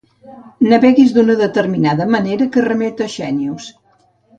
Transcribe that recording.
Naveguis d'una determinada manera que remet a Xènius.